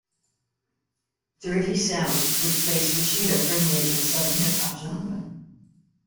"Dirty South" would place Rasheeda firmly in the southern hip-hop genre.